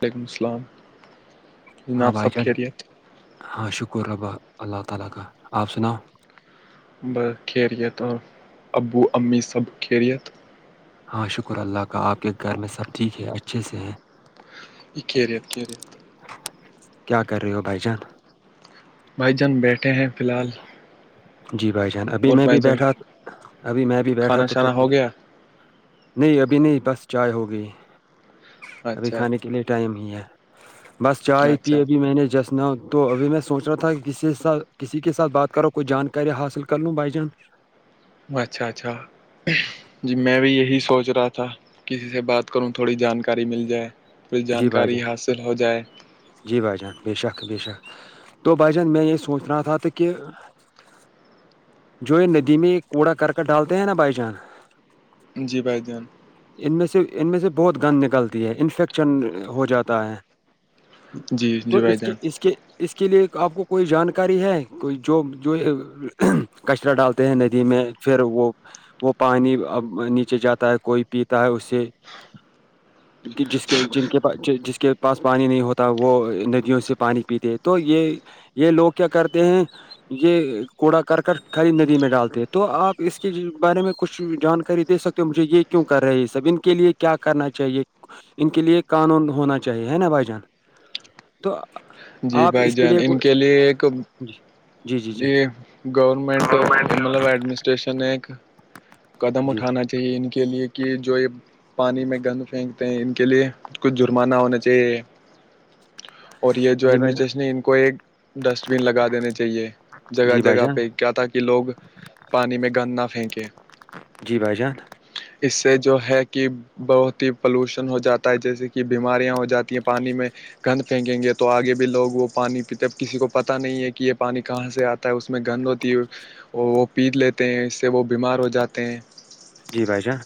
وعلیکم السلام جناب سب خیریت [inaudible] ب کھیلت اور ابو امی سب کھیلت ہاں شکر اللہ کا آپ کے گھر میں سب ٹھیک ہے اچھے سے ہیں یہ کریت کریت کیا کر رہی ہو بھائی جان بھائی جان بیٹھے ہیں فی الحال جی بھائی جان ابھی اور میں بھائی بھی جان بیٹھا ابھی میں بھی بیٹھا کھانا تھا تو شانا ہو گیا نہیں ابھی نہیں بس چائے ہو گئی ابھی اچھا کھانے کے لیے ٹائم ہی ہے بس چائے اچھا پیے بھی میں نے جسنا تو ابھی میں سوچ رہا تھا کہ کسی س کسی کے ساتھ بات کرو کوئی جانکاری حاصل کر لوں بھائی جان اچھا اچھا جی میں بھی یہی سوچ رہا تھا کسی سے بات کروں تھوڑی جانکاری مل جائے تھوڑی جی بھائی جان جانکاری حاصل ہو جائے جی بھائی جان بے شک بے شک تو بھائی جان میں یہ سوچ رہا تھا کہ جو یہ ندی میں کوڑا کرک ڈالتے ہیں نا بھائی جان جی بھائیدین [unintelligible] ان میں سے ان میں سے بہت گند نکلتی ہے انفیکشن ہو جاتا ہے جی جی تو بھائی اس کے جان اس کے اس کے لیے آپ کو کوئی جانکاری ہے کوئی جو جو کچرا ڈالتے ہیں ندی میں پھر وہ وہ پانی اب نیچے جاتا ہے کوئی پیتا ہے اسے ج [unintelligible] کہ جس کے جن کے پاس جس کے پاس پانی نہیں ہوتا وہ ندیوں سے پانی پیتے تو یہ یہ لوگ کیا کرتے ہیں یہ کوڑا کر کر کھری ندی میں ڈالتے ہیں تو آپ اس کے بارے میں کچھ جانکاری دے سکتے مجھے یہ کیوں کر رہے یہ سب ان کے لیے کیا کرنا چاہیے ان کے لیے قانون ہونا چاہیے ہے نا بھائی جان تو جی آپ بھائی اس جان لیے ان کے کوئی لیے ایک جی جی جی یہ گورنمنٹ یہ مطلب ایڈمس اسٹیشن ایک قدم جی اٹھانا چاہیے ان کے لیے کہ جو یہ پانی میں گند پھینکتے ہیں ان کے لیے کچھ جرمان نہ ہونا چاہیے اور یہ جو جی بھائی جان ایڈمسٹریشن ہے ان کو ایک ڈسٹ بین لگا دینے چاہیے جگہ جی بھائی جگہ جان پہ کیا تھا کہ لوگ پانی میں گند نہ پھینکیں جی بھائی جان اس سے جو ہے کہ بہت ہی پلوشن ہو جاتا ہے جیسے کہ بیماریاں ہو جاتی ہیں پانی میں گند پھینکیں گے تو تو آگے بھی لوگ وہ پانی پیتے ہیں اب کسی کو پتہ نہیں ہے کہ یہ پانی کہاں سے آتا ہے اس میں گند ہوتی ہے اور وہ پیس لیتے ہیں اس سے وہ بیمار ہو جاتے ہیں جی بھائی جان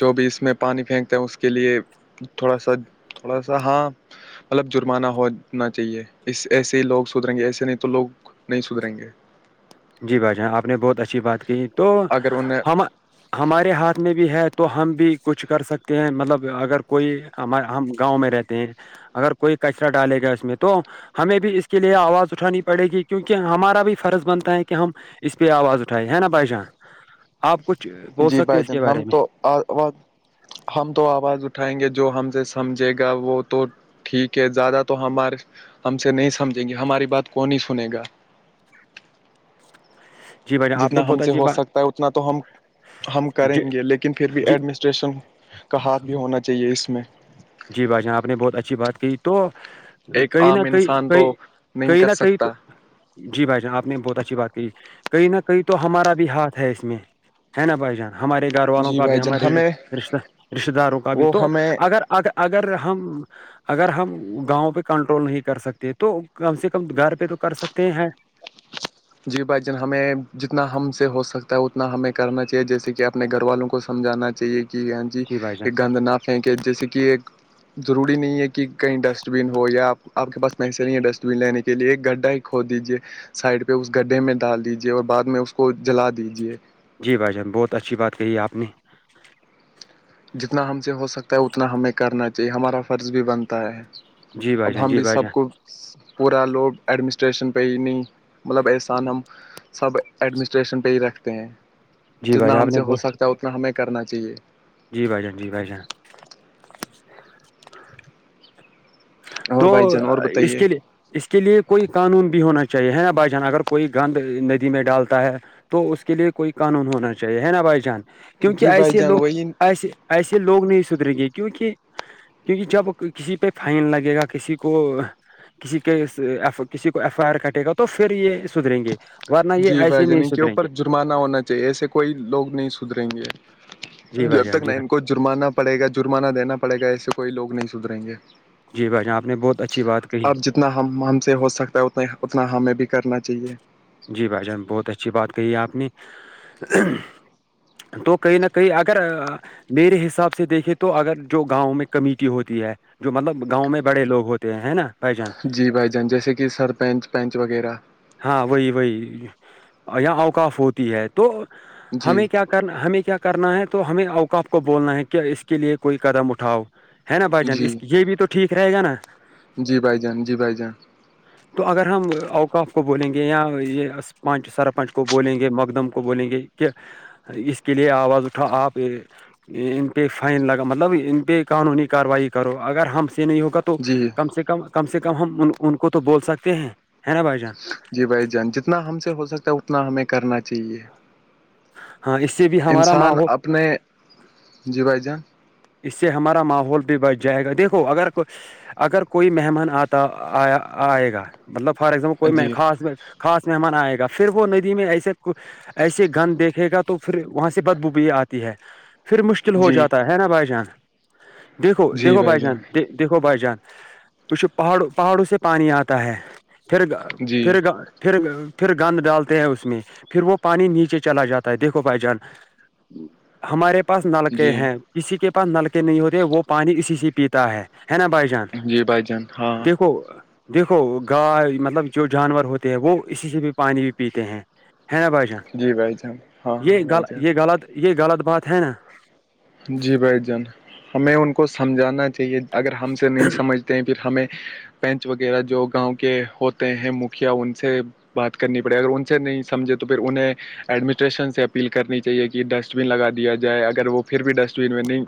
جو بھی اس میں پانی پھینکتے ہیں اس کے لیے تھوڑا سا تھوڑا سا ہاں مطلب جرمانہ ہونا چاہیے اس ایسے ہی لوگ سدھریں گے ایسے نہیں تو لوگ نہیں سدھریں گے جی بھائی جان آپ نے بہت اچھی بات کہ تو اگر انہیں ہم ہمارے ہاتھ میں بھی ہے تو ہم بھی کچھ کر سکتے ہیں مطلب اگر کوئی ہمار ہم گاؤں میں رہتے ہیں اگر کوئی کچرا ڈالے گا اس میں تو ہمیں بھی اس کے لیے آواز اٹھانی پڑے گی کیونکہ ہمارا بھی فرض بنتا ہے کہ کہ ہم اس پہ آواز اٹھائے ہے نا بھائی جان آپ کچھ بول جی سکتے ہو بھائی اس جان کے ہم بارے میں تو ہم تو آواز اٹھائیں گے جو ہم سے سمجھے گا وہ تو ٹھیک ہے زیادہ تو ہمار ہم سے نہیں سمجھیں گے ہماری بات کون نہیں سنے گا [inaudible] نے جتنا ہم بہت سے اچھی ہو بات سکتا ہے اتنا تو ہم ہم کریں جی گے لیکن پھر بھی جی ایڈمنسٹریشن کا ہاتھ بھی ہونا چاہیے اس میں جی بھائی جان آپ نے بہت اچھی بات کی تو ایک کہئی نہ عام کہئی انسان کئی تو نہیں کہئی کر نہ کہئی تو سکتا جی بھائی جان آپ نے بہت اچھی بات کی کہیں نہ کہیں تو ہمارا بھی ہاتھ ہے اس میں ہے نا بھائی جان ہمارے گھر والوں جی کا بھی بھائی جان ہمارے ہمیں رشتے داروں کا بھی وہ تو ہمیں اگر اگر اگر ہم اگر ہم گاؤں پہ کنٹرول نہیں کر سکتے تو کم سے کم گھر پہ تو کر سکتے ہیں جی بھائی جن ہمیں جتنا ہم سے ہو سکتا ہے اتنا ہمیں کرنا چاہیے جیسے کہ آپ اپنے گھر والوں کو سمجھانا چاہیے اں جی بھائی جان ایک گند نہ پھینکے جیسے کہ ایک ضروری نہیں ہے کہ کہ کہیں ڈسٹ بین ہو یا آپ آپ کے پاس میسے نہیں ہے ڈسٹبین لینے کے لیے ایک گڈھا ہی کھود دیجیے سائڈ پہ اس گڈھے میں ڈال دیجیے اور بعد میں اس کو جلا دیجیے جی بھائی جان بہت اچھی بات کہی آپ نے جتنا ہم سے ہو سکتا ہے اتنا ہمیں کرنا چاہیے ہمارا فرض بھی بنتا ہے جی بھائی اب جان ہم جی بھی بھائی سب جان کو پورا لوب ایڈمنسٹریشن پہ ہی نہیں مطلب احسان ہم سب ایڈمنسٹریشن پہ ہی رکھتے ہیں جی بھائی جتنا جان ہم آپ نے سے ہو بہت سکتا ہے اتنا ہمیں کرنا چاہیے جی بھائی جان جی بھائی جان اور تو بھائی جان اور اس بتائیے کے لیے اس کے لیے کوئی قانون بھی ہونا چاہیے ہے نا بھائی جان اگر کوئی گند ندی میں ڈالتا ہے تو اس کے لیے کوئی قانون ہونا چاہیے ہے نا بھائی جان کیونکہ جی بھائی ایسے جان لوگ وہی ایسے ایسے لوگ نہیں سدرے گے کیونک کیونکہ جب کسی پہ فائن لگے گا کسی کو کسی کے کسی کو ایف آئی آر کٹے گا تو پھر یہ سدھریں گے ورنہ یہ ایسے میں ہی سدھریں گے مانا ہونا چاہیے ایسے کوئی لوگ نہیں سدریں گے جی بھائی جب جان تک نہ جی ان بھائی کو جرمانہ پڑے گا جرمانہ دینا پڑے گا ایسے کوئی لوگ نہیں سدریں گے جی بھائی جان آپ نے بہت اچھی بات کہی اتنا ہم ہم سے ہو سکتا ہے اتنا اتنا ہمیں بھی کرنا چاہیے جی بھائی جان بہت اچھی بات کہی ہے آپ نے تو کہیں نہ کہیں اگر میرے حساب سے دیکھے تو اگر جو گاؤں میں کمیٹی ہوتی ہے جو مطلب گاؤں میں بڑے لوگ ہوتے ہیں نا بھ جان جی بھائی جان جیسے کہ سرپنچ پنچ وغیرہ ہاں وہی وہی اں اوقاف ہوتی ہے تو جی ہمیں کیا کر ہمیں کیا کرنا ہے تو ہمیں اوقاف کو بولنا ہے کہ اس کے لیے کوئی قدم اٹھاؤ ہے نا بھائی جان جی اس یہ بھی تو ٹھیک رہے گا نا جی بھائی جان جی بھائی جان تو اگر ہم آؤٹ آف کو بولیں گے یا یہ پنچ سرپنچ کو بولیں گے مقدم کو بولیں گے کہ اس کے لیے آواز اٹھا آپ ان پہ فائن لگا مطلب ان پہ قانونی کارروائی کرو اگر ہم سے نہیں ہوگا تو تو جی کم سے کم کم سے کم ہم ان کو تو بول سکتے ہیں ہے نا بھائی جان جی بھائی جان جتنا ہم سے ہو سکتا ہے اتنا ہمیں کرنا چاہیے ہاں اس سے بھی ہمارا انسان ماحول اپنے جی بھائی جان اس سے ہمارا ماحول بھی بچھ جائے گا دیکھو اگر کو اگر کوئی مہمان آتا آئے گا مطلب فار ایگزامپل کوئی جی خاص خاص مہمان آئے گا پھر وہ ندی میں ایسے ایسے گن دیکھے گا تو پھر وہاں سے بدبوبی آتی ہے پھر مشکل ہو جی جاتا ہے نا بھائی جان دیکھو دیکھو بھائی جان د دیکھو بھائی جان پچھو پہاڑوں پہاڑوں سے پانی آتا ہے پھر گ جی پھر گ پھر پھر گند ڈالتے ہیں اس میں پھر وہ پانی نیچے چلا جاتا ہے دیکھو بھائی جان ہ ہمارے پاس نلکے جی ہیں کسی کے پاس نلکے نہیں ہوتے وہ پانی اسی سے پیتا ہے نا بھائی جان جی بھائی جان ہاں دیکھو دیکھو گائے مطلب جو جانور ہوتے ہیں وہ اسی سے بھی پانی بھی پیتے ہیں ہے نا بھائی جان جی بھائی جان ہاں یہ ہاں غ بھائی یہ جان غلط یہ غلط بات ہے نا جی بھائی جان ہمیں ان کو سمجھانا چاہیے اگر ہم سے نہیں سمجھ پھر ہمیں پنچ وغیرہ جو گاؤں کے ہوتے ہیں مکھیا ان سے بات کرنی پڑے اگر ان سے نہیں سمجھے تو پھر انہیں ایڈمنسٹریشن سے اپیل کرنی چاہیے کہ ڈسٹ بین لگا دیا جائے اگر وہ پھر بھی ڈسٹبین میں نہیں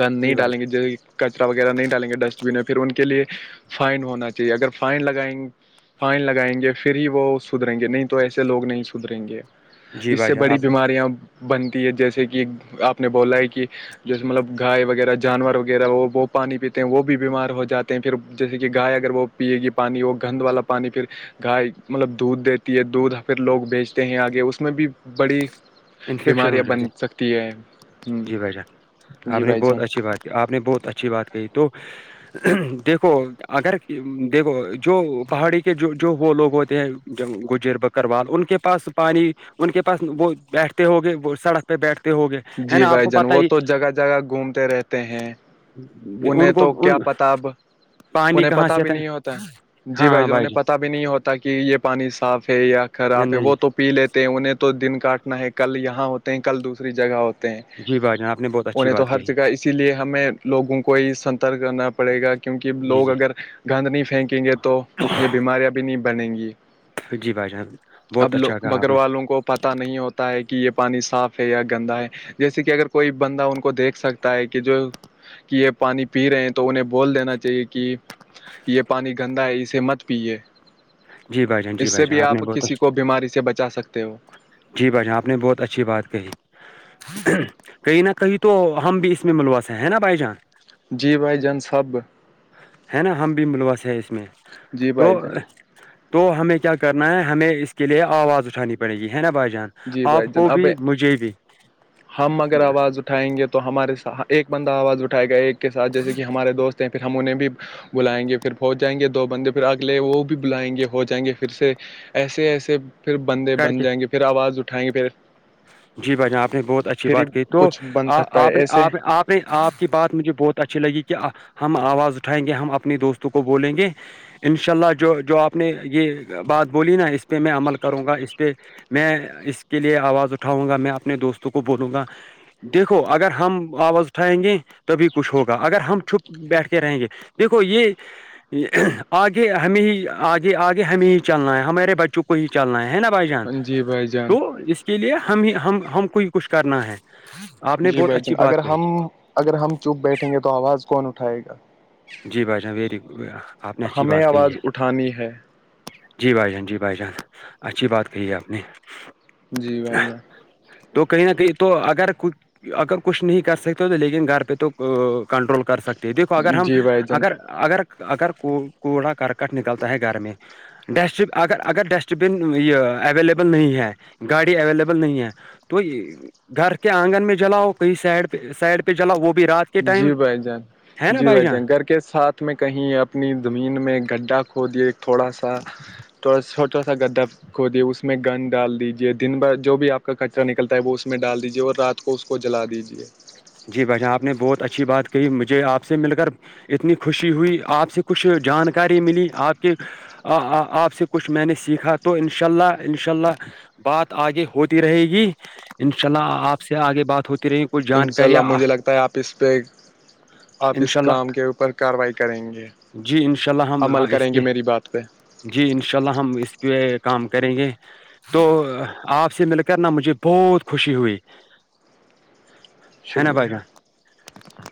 گند نہیں جی بھائی ڈالیں گے ج کچرا وغیرہ نہیں ڈالیں گے ڈسٹ بین میں پھر ان کے لیے فائن ہونا چاہیے اگر فائن لگائیں گے فائن لگائیں گے پھر ہی وہ سدھرریں گے نہیں تو ایسے لوگ نہیں سدھریں گے جان جی اس بھائی سے جان بڑی آپ بیماریاں بنتی ہے جیسے کہ آپ نے بولا ہے کہ جیسے مطلب گائے وغیرہ جانور وغیرہ وہ وہ پانی پیتے ہیں وہ بھی بیمار ہو جاتے ہیں پھر جیسے کہ گائے اگر وہ پیے گی پانی وہ گند والا پانی پھر گائے مطلب دودھ دیتی ہے دودھ پھر لوگ بیچتے ہیں آگے اس میں بھی بڑی انفیکشن بیماریاں ہو جاتے بن سکتی ہیں جی بھ جان آپ نے بہت اچھی بات آپ نے بہت اچھی بات کہی تو دیکھو اگر دیکھو جو پہاڑی کے جو جو وہ لوگ ہوتے ہیں گجر بک کروا ان کے پاس پانی ان کے پاس وہ بیٹھتے ہوگے وہ سڑک پہ بیٹھتے ہوگے جی بھائی جان وہ تو جگہ جگہ گھومتے رہتے ہیں انہیں ان کو تو کیا ان پتا اب پانی انہیں کہاں پتا سے بھی آتا ہے نہیں ہوتا جی ہاں بھائی ہاں ج انہیں جان پتا بھی نہیں ہوتا کہ یہ پانی صاف ہے یا خراب ہے وہ تو پی لیتے ہیں انہیں تو دن کاٹنا ہے کل یہاں ہوتے ہیں کل دوسری جگہ ہوتے ہیں جی بھائی جان آپ نے بہت اچھی انہیں بات تو ہر کہی جگہ اس اسی لیے ہمیں لوگوں کو یہ سترک کرنا پڑے گا کیونکہ جی لوگ اگر گند نہیں پھینکیں گے تو یہ بیماریاں بھی نہیں بنیں گی جی بھائی جان بہت اب اچھا کہا اپ بکر نے والوں کو پتہ نہیں ہوتا ہے کہ یہ پانی صاف ہے یا گندا ہے جیسے کہ اگر کوئی بندہ ان کو دیکھ سکتا ہے کہ جو کہ یہ پانی پی رہے ہیں تو انہیں بول دینا چاہیے کہ یہ پانی گندا ہے اسے مت پیے جی بھائی جان اس جی بھائی سے جان بھی آپ نے بہت کسی کو بیماری سے بچا سکتے ہو جی بھائی جان آپ نے بہت اچھی بات کہی کہیں نہ کہیں تو ہم بھی اس میں ملوث ہیں نا بائی جان جی بھائی جان سب ہے نا ہم بھی ملوث ہیں اس میں جی تو بھائی جان تو ہمیں کیا کرنا ہے ہمیں اس کے لیے آواز اٹھانی پڑے گی ہے نا بھائی جان جی آپ بھائی جان کو اب بھی مجھے بھی ہم اگر آواز اٹھ اٹھائیں گے تو ہمارے سا ایک بندہ آواز اٹھائے گا ایک کے ساتھ جیسے کہ ہمارے دوست ہیں پھر ہم انہیں بھی بلائیں گے پھر ہو جائیں گے دو بندے پھر آگ لے وہ بھی بلائیں گے ہو جائیں گے پھر سے ایسے ایسے پھر بندے کر بن کے جائیں گے پھر آواز اٹھائیں گے پھر جی بھائی نے آپ نے بہت اچھی پھر ہی بات کہ تو کچھ بن آپ سکتا آپ ہے نے ایسے آپ آپ اپنے آپ کی بات مجھے بہت اچھی لگی کہ ہم آواز اٹھائیں گے ہم اپنے دوستوں کو بولیں گے ان شاء اللہ جو جو آپ نے یہ بات بولی نا اس پہ میں عمل کروں گا اس پہ میں اس کے لیے آواز اٹھاؤں گا میں اپنے دوستوں کو بولوں گا دیکھو اگر ہم آواز اٹھائیں گے تبھی کچھ ہوگا اگر ہم چپ بیٹھ کے رہیں گے دیکھو یہ آگے ہمیں ہی آگے آگے ہمیں ہی چلنا ہے ہمارے بچوں کو کو ہی چلنا ہے ہے نا بھائی جان جی بھائی جان تو اس کے لیے ہم ہم ہم کو ہی کچھ کرنا ہے آپ نے جی بہت بھائی جن اچھی بات اگر کہی ہم اگر ہم چپ بیٹھیں گے تو آواز کون اٹھائے گا جی بھائی جان ویری آپ نے اچھی ہمیں بات کہی آواز ہے اٹھانی ہے جی بھائی جان جی بھائی جان اچھی بات کہی ہے آپ نے جی بھائی جان تو کہیں نہ کہیں تو اگر کچھ اگر کچھ نہیں کر سکتے تو لیکن گھر پہ تو کنٹرول کر سکتے ہیں دیکو اگر جان ہم جی بھ اگر اگر اگر کو کوڑا کرکٹ نکلتا ہے گھر میں ڈسٹ اگر اگر ڈسٹ بن یہ اویلیبل نہیں ہے گاڑی اویلیبل نہیں ہے تو گھر کے آنگن میں جلاؤ کہیں سائڈ پہ سائڈ پہ جلاؤ وہ بھی رات کے جی ٹائم بھائی جان جی بھائی جان گھر کے ساتھ میں کہیں اپنی زمین میں گ کھو دییا تھوڑا سا تھوڑا ساوا چھوٹا سا گدا کھودے اس میں گن ڈال دیجیے دن بھر جو بھی آپ کا کچرا نکلتا ہے وہ اس میں ڈال دیجے اور رات کو اس کو جلا دیجیے جی بھائی جان آپ نے بہت اچھی بات کہی مجھے آپ سے مل کر اتنی خوشی ہوئی آپ سے کچھ جانکاری ملی آپ کے آ آپ سے کچھ میں نے سیکھا تو انشاء اللہ انشاء اللہ بات آگے ہوتی رہے گی ان شاء اللہ آپ سے آگے بات ہوتی رہے گی کوئی جان کر چلا مجھے لگتا ہے آپ اس پہ آپ ان اس شاء اللہ کام کے اوپر کارروائی کریں گے جی ان شاء اللہ ہم عمل اس کریں کے گے میری بات پہ جی انشاء اللہ ہم اس پہ کام کریں گے تو آپ سے مل کر نہ مجھے بہت خوشی ہوئی ہے نا بھائی شکریہ جان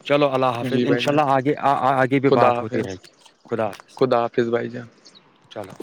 چلو اللہ حافظ جی بھائی انشاء جان اللہ آگے آگے بھی خدا بات ہوتی رہے حافظ گی خدا حافظ بھائی جان چلو